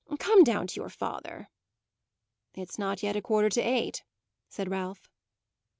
Come down to your father." "It's not yet a quarter to eight," said Ralph.